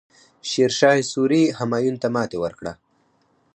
شیرشاه سوري همایون ته ماتې ورکړه.